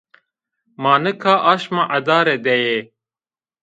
Ma nika aşma adare de yê